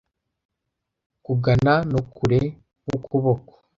Kugana no kure nk'ukuboko